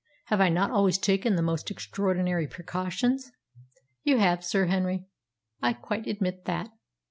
Have I not always taken the most extraordinary precautions?" "You have, Sir Henry. I quite admit that.